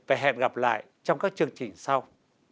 và hẹn gặp lại trong các chương trình sau